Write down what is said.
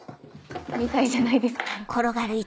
みたいじゃないですか。